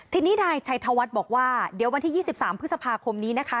ทีนี้นายชัยธวัฒน์บอกว่าเดี๋ยววันที่๒๓พฤษภาคมนี้นะคะ